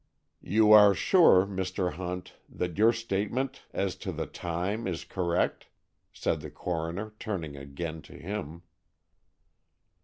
"You are sure, Mr. Hunt, that your statement as to the time is correct?" said the coroner, turning again to him.